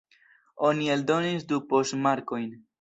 Oni eldonis du poŝtmarkojn.